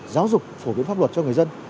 giáo dục phổ biến pháp luật cho người dân